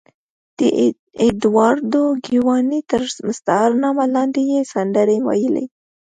د اېډوارډو ګیواني تر مستعار نامه لاندې یې سندرې ویلې.